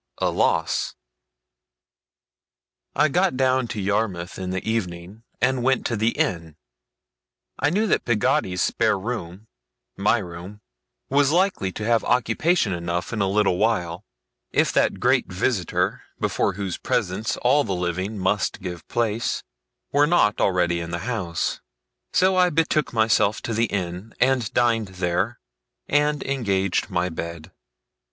A LOSS I got down to Yarmouth in the evening, and went to the inn. I knew that Peggotty's spare room my room was likely to have occupation enough in a little while, if that great Visitor, before whose presence all the living must give place, were not already in the house; so I betook myself to the inn, and dined there, and engaged my bed.